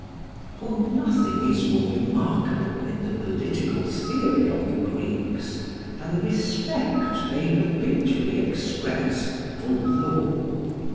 For nothing is more remarkable in the political theory of the Greeks than the respect they habitually express for law.